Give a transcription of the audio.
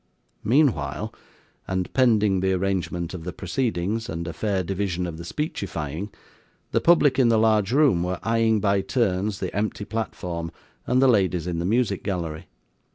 Meanwhile, and pending the arrangement of the proceedings, and a fair division of the speechifying, the public in the large room were eyeing, by turns, the empty platform, and the ladies in the Music Gallery.